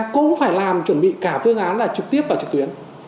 cũng phải làm chuẩn bị cả phương án là trực tiếp và trực tuyến